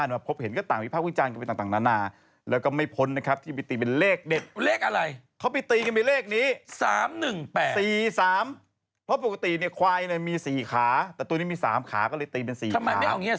เพราะปกติเนี่ยควายมี๔ขาแต่ตัวนี้มี๓ขาก็เลยตีเป็น๔ขา